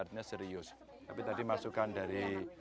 tapi tadi masukan dari